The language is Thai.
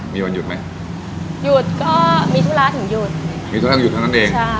มีวันหยุดไหมหยุดก็มีธุระถึงหยุดมีธุระหยุดเท่านั้นเองใช่